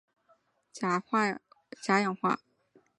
熔点时可被氯酸钾或硝酸钾氧化。